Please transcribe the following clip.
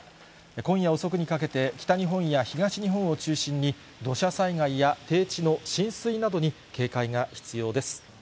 今夜遅くにかけて、北日本や東日本を中心に土砂災害や低地の浸水などに警戒が必要です。